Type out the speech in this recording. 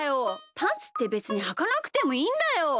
パンツってべつにはかなくてもいいんだよ。